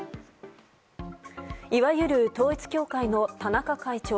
いわゆる統一教会の田中会長。